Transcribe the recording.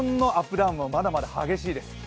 ダウンもまだまだ激しいです。